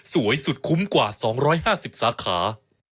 สวยสุดคุ้มกว่า๒๕๐สาขา